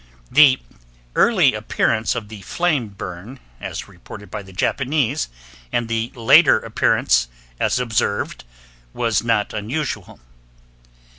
The early appearance of the flame burn as reported by the Japanese, and the later appearance as observed, was not unusual.